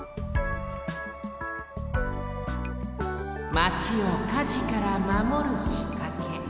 マチを火事からまもるしかけ。